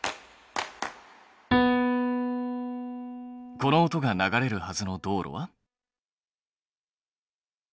この音が流れるはずの道路は？